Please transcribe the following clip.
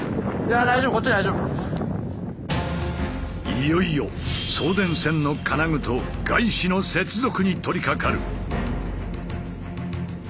いよいよ送電線の金具とガイシの接続に取りかかる。